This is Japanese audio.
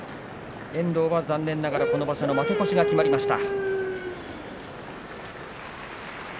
遠藤は残念ながらこの場所の負け越しが決まりました。